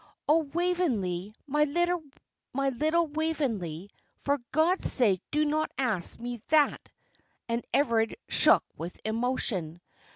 "Oh, Waveney, my little Waveney, for God's sake do not ask me that!" and Everard shook with emotion.